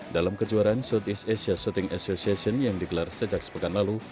dalam kejuaraan southeast asia shooting association yang digelar sejak sepekan lalu